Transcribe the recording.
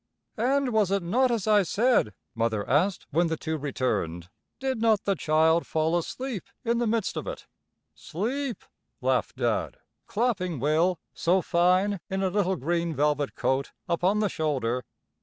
"And was it not as I said?" Mother asked, when the two returned. "Did not the child fall asleep in the midst of it?" "Sleep!" laughed Dad, clapping Will, so fine in a little green velvet coat, upon the shoulder.